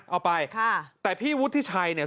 เอาไปค่ะแต่พี่วุฒิชัยเนี่ย